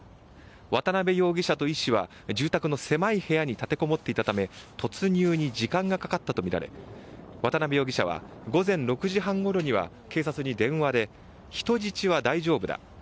渡辺容疑者と医師は住宅の狭い部屋に立てこもっていたため突入に時間がかかったとみられ渡辺容疑者は午前６時ごろには警察に電話で人質は大丈夫だ。